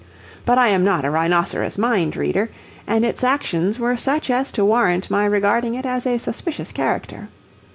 But I am not a rhinoceros mind reader, and its actions were such as to warrant my regarding it as a suspicious character.